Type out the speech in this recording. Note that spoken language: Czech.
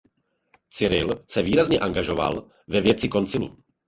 Cyril se výrazně angažoval ve věci koncilu.